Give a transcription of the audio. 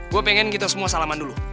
gue pengen kita semua salaman dulu